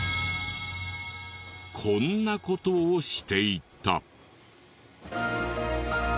こんな事をしていた。